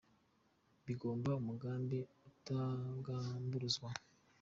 Bigomba umugambi utagamburuzwa